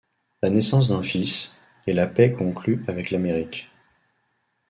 La naissance d'un fils, et la paix conclue avec l'Amérique.